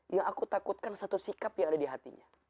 yang aku takutkan satu sikap yang ada di hatinya